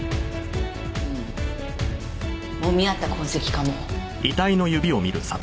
うんもみ合った痕跡かも。